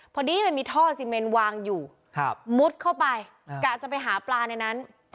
พอดีมันมีท่อซีเมนวางอยู่มุดเข้าไปกะจะไปหาปลาในนั้น